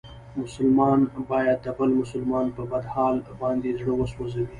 مسلمان باید د بل مسلمان په بد حال باندې زړه و سوځوي.